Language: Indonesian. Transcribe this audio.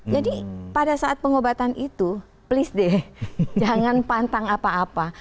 jadi pada saat pengobatan itu please deh jangan pantang apa apa